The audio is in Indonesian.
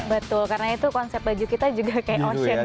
betul karena itu konsep baju kita juga kayak ocean